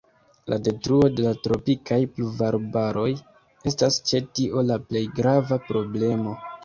La detruo de la tropikaj pluvarbaroj estas ĉe tio la plej grava problemo.